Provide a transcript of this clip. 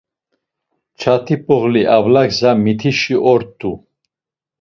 Çat̆ip̌oğli Avla gza mitişi ort̆u.